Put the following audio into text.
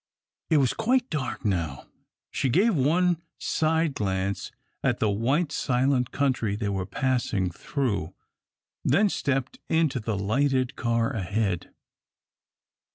It was quite dark now. She gave one side glance at the white, silent country they were passing through, then stepped into the lighted car ahead.